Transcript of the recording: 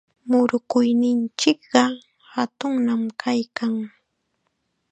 Murukuyninchikqa hatunnam kaykan.